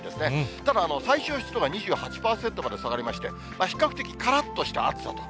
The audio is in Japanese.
ただ、最小湿度が２８％まで下がりまして、比較的からっとした暑さと。